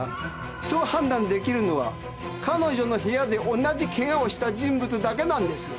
そう判断できるのは彼女の部屋で同じケガをした人物だけなんです。